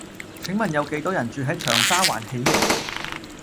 請問有幾多人住喺長沙灣喜盈